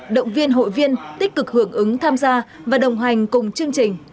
động viên hội viên tích cực hưởng ứng tham gia và đồng hành cùng chương trình